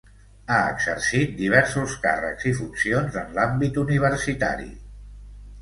Ha exercit diversos càrrecs i funcions en l'àmbit universitari.